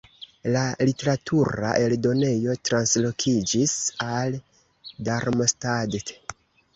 La literatura eldonejo translokiĝis al Darmstadt.